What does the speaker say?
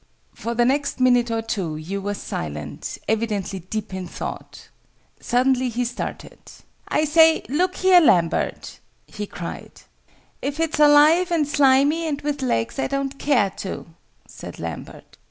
For the next minute or two Hugh was silent, evidently deep in thought. Suddenly he started. "I say, look here, Lambert!" he cried. "If it's alive, and slimy, and with legs, I don't care to," said Lambert.